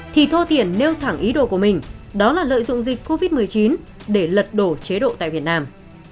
thì thô tiền nêu thẳng ý đồ của mình đó là lợi dụng dịch covid một mươi chín để lật đổ chế độ tại việt nam